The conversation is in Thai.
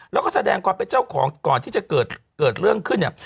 แล้วก็แสดงความเป็นเจ้าของก่อนที่จะเกิดเรื่องขึ้นเนี่ย